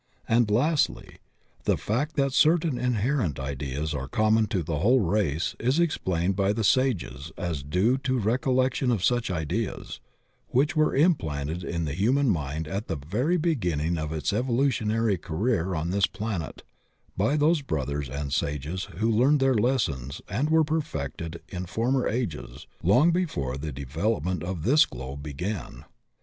And lastly, the fact that certain inherent ideas are common to die whole race is explained by the sages as due to recollection of such ideas, which were im planted in the human mind at the very beginning of its evolutionary career on this planet by those broth ers and sages who learned their lessons and were perfected in former ages long before the development of this globe began.